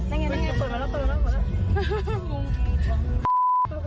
เปิดมาแล้วเปิดมาแล้ว